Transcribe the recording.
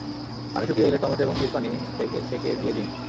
পানি শুকিয়ে এলে টমেটো এবং তিল পানি থেকে ছেঁকে দিয়ে দিন।